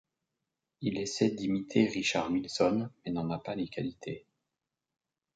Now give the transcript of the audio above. Il essaie d'imiter Richard Wilson mais n'en a pas les qualités.